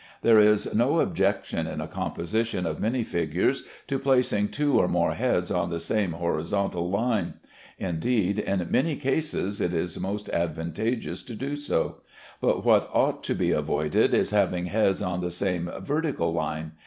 There is no objection, in a composition of many figures, to placing two or more heads on the same horizontal line. Indeed, in many cases it is most advantageous to do so; but what ought to be avoided is having heads on the same vertical line.